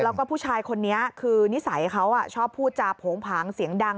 แล้วก็ผู้ชายคนนี้คือนิสัยเขาชอบพูดจาโผงผางเสียงดัง